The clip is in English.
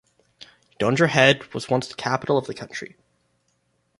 Dondra Head was once the capital of the country.